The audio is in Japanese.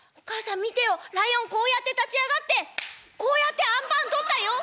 ライオンこうやって立ち上がってこうやってあんパン取ったよ。